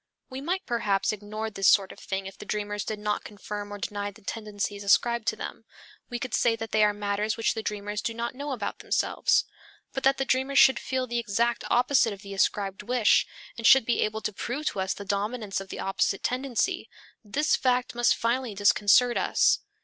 We might perhaps ignore this sort of thing if the dreamers did not confirm or deny the tendencies ascribed to them; we could say that they are matters which the dreamers do not know about themselves. But that the dreamers should feel the exact opposite of the ascribed wish, and should be able to prove to us the dominance of the opposite tendency this fact must finally disconcert us.